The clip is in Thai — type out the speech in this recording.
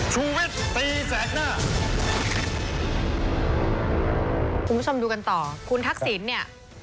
คุณผู้ชมดูกันต่อคุณทักษิณเนี่ย